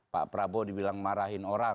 pak prabowo dibilang marah